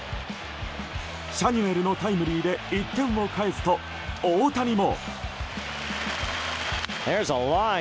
シャニュエルのタイムリーで１点を返すと、大谷も。